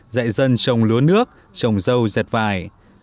dạy dân trồng lúa nước trồng dâu dẹt vải